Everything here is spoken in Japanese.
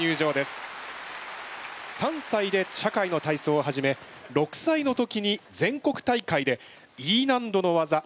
３さいで社会の体操を始め６さいの時に全国大会でＥ難度のわざ